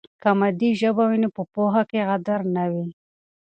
که مادي ژبه وي نو په پوهه کې غدر نه وي.